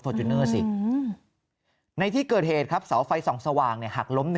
จูเนอร์สิในที่เกิดเหตุครับเสาไฟส่องสว่างหักล้ม